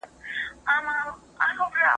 موږ د خپلو پخوانیو لیکوالو په اثارو ویاړو.